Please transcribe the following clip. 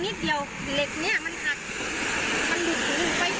หนูก็เลยก้มลงนิดเดียว